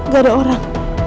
gak ada orang